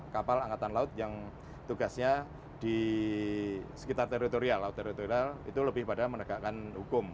kapal angkatan laut yang tugasnya di sekitar teritorial laut teritorial itu lebih pada menegakkan hukum